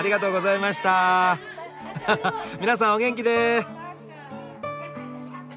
皆さんお元気で！